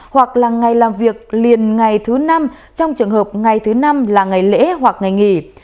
hoặc là ngày làm việc liền ngày thứ năm trong trường hợp ngày thứ năm là ngày lễ hoặc ngày nghỉ